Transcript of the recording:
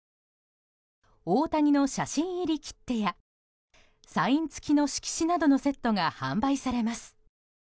大谷の写真入り切手やサイン付きの色紙などのセットが販売されます。